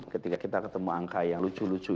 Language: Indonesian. ketika kita ketemu angka yang lucu lucu